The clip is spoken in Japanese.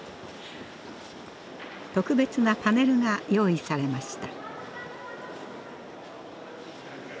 特別なパネルが用意されました。